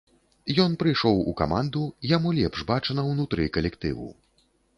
Ён прыйшоў у каманду, яму лепш бачна ўнутры калектыву.